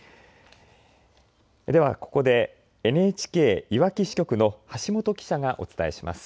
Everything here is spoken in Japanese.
ではここでＮＨＫいわき支局の橋本記者がお伝えします。